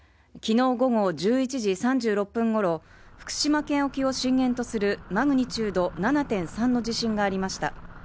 昨日午後１１時３６分ごろ福島県沖を震源とするマグニチュード７．３の地震がありました。